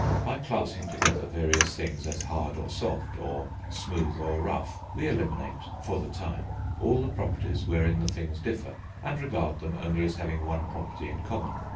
By classing together various things as hard or soft, or smooth or rough, we eliminate (for the time) all the properties wherein the things differ, and regard them only as having one property in common.